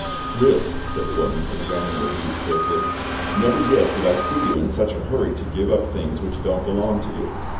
"Really," said the woman, examining her deeds carefully, "never yet did I see you in such a hurry to give up things which don't belong to you.